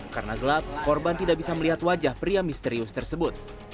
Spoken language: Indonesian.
karena gelap korban tidak bisa melihat wajah pria misterius tersebut